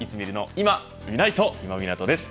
いまみないと、今湊です。